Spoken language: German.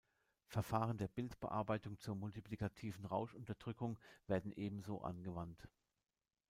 Verfahren der Bildbearbeitung zur multiplikativen Rauschunterdrückung werden ebenso angewandt.